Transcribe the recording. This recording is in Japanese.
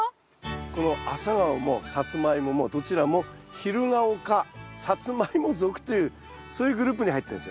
このアサガオもサツマイモもどちらもというそういうグループに入ってるんですよ。